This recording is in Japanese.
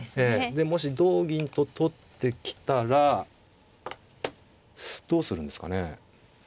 でもし同銀と取ってきたらどうするんですかね。